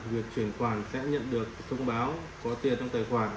việc chuyển khoản sẽ nhận được thông báo có tiền trong tài khoản